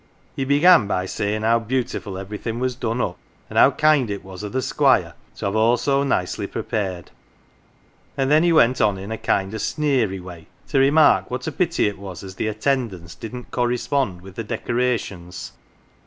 He began bv sayin' how beautiful everything was done up, and how kind it was o 1 the Squire to have all so nicely prepared, and then he went on in a kind o' sneery way to remark what a pity it was as the attendance didn't correspond with the decorations.